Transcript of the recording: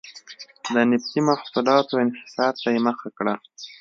د نفتي محصولاتو انحصار ته یې مخه کړه.